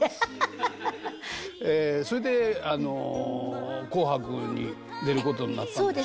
それであの「紅白」に出ることになったんでしょ？